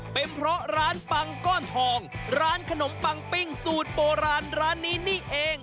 เป็นเพราะร้านปังก้อนทองร้านขนมปังปิ้งสูตรโบราณร้านนี้นี่เอง